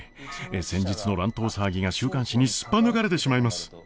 先日の乱闘騒ぎが週刊誌にすっぱ抜かれてしまいます。